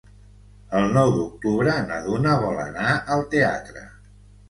El nou d'octubre na Duna vol anar al teatre.